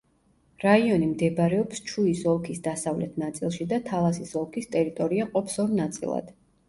რაიონი მდებარეობს ჩუის ოლქის დასავლეთ ნაწილში და თალასის ოლქის ტერიტორია ყოფს ორ ნაწილად.